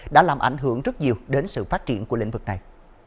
đã làm ảnh hưởng rất nhiều đến sự phát triển của lĩnh vực này